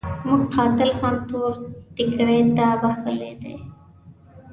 موږ قاتل هم تور ټکري ته بخښلی دی.